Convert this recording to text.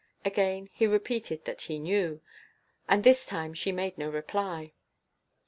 Again he repeated that he knew, and this time she made no reply.